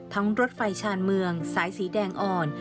รถไฟชาญเมืองสายสีแดงอ่อน